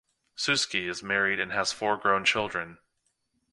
Suske is married and has four grown children.